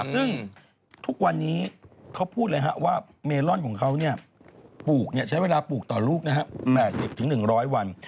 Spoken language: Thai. ซึ่งทุกวันนี้เขาพูดเลยว่าเมลอนของเขาปลูกใช้เวลาปลูกต่อลูก๘๐๑๐๐วัน